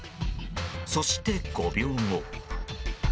そして５秒後。